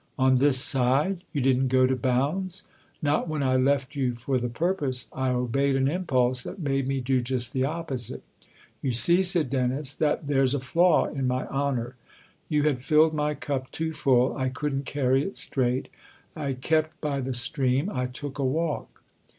" On this side ? You didn't go to Bounds ?"" Not when I left you for the purpose. I obeyed an impulse that made me do just the opposite. You see," said Dennis, "that there's a flaw in my honour ! You had filled my cup too full I couldn't carry it straight. I kept by the stream I took a walk."